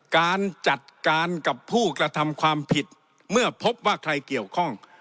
การจัดการกับผู้กระทำความผิดเมื่อพบว่าใครเกี่ยวข้อง